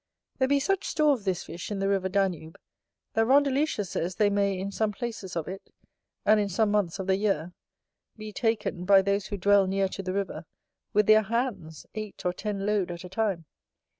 There be such store of this fish in the river Danube, that Rondeletius says they may, in some places of it, and in some months of the year, be taken, by those who dwell near to the river, with their hands, eight or ten load at a time.